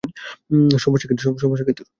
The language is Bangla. সমস্যা কী তোর?